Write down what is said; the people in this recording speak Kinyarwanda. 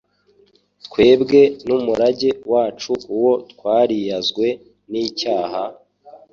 twebwe n'umurage wacu uwo twariyazwe n'icyaha,